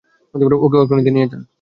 ওকে অর্কনিতে নিয়ে যান।